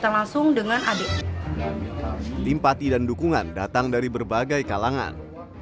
simpati dan dukungan datang dari berbagai kalangan